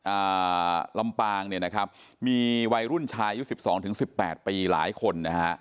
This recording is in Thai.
อ่าลำปางเนี่ยนะครับมีวัยรุ่นชายอายุสิบสองถึงสิบแปดปีหลายคนนะฮะ